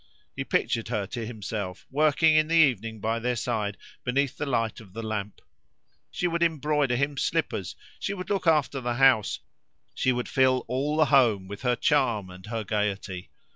He pictured her to himself working in the evening by their side beneath the light of the lamp; she would embroider him slippers; she would look after the house; she would fill all the home with her charm and her gaiety.